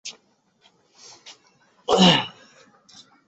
他是亚尔诺第八任国王。